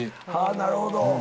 なるほど。